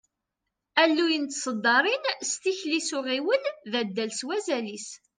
Alluy n tseddaṛin s tikli s uɣiwel, d addal s wazal-is.